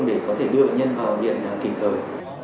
để có thể đưa bệnh nhân vào viện kịp thời